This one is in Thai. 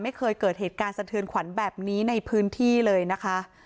ไม่เคยเกิดเหตุการณ์สะเทือนขวัญแบบนี้ในพื้นที่เลยนะคะ